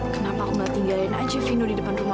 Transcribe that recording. sampai jumpa di video selanjutnya